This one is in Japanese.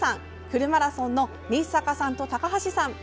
フルマラソンの日坂さんと高橋さん